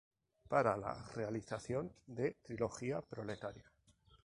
Para la realización de “Trilogía Proletaria.